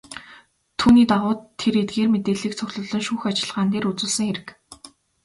Түүний дагуу тэр эдгээр мэдээллийг цуглуулан шүүх ажиллагаан дээр үзүүлсэн хэрэг.